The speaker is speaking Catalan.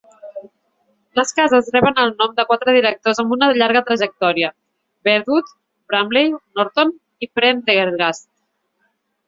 Les cases reben el nom de quatre directors amb una llarga trajectòria: Beardwood, Bramley, Norton i Prendergast.